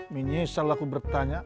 minyai salah aku bertanya